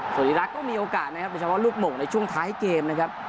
สุริรักษ์ก็มีโอกาสนะครับโดยเฉพาะลูกหม่งในช่วงท้ายเกมนะครับ